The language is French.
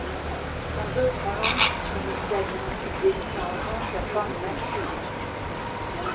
Dans d'autres langues comme l'italien, il désigne en revanche la forme masculine.